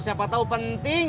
siapa tau penting